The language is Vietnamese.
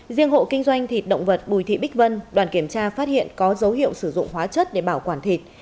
riêng hộ kinh doanh thịt động vật bùi thị bích vân đoàn kiểm tra phát hiện có dấu hiệu sử dụng hóa chất để bảo quản thịt